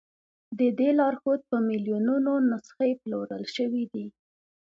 د دې لارښود په میلیونونو نسخې پلورل شوي دي.